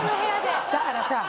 だからさ